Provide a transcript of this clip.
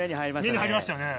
目に入りましたよね。